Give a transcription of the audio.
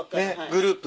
グループ。